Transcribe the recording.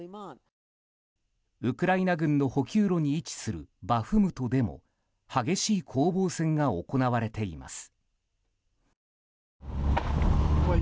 ウクライナ軍の補給路に位置するバフムトでも激しい攻防戦が行われています。